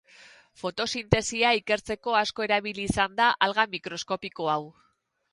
Fotosintesia ikertzeko asko erabili izan da alga mikroskopiko hau.